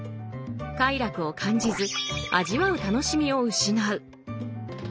快楽を感じず味わう楽しみを失う。